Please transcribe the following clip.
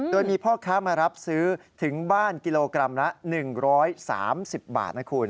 โดยมีพ่อค้ามารับซื้อถึงบ้านกิโลกรัมละ๑๓๐บาทนะคุณ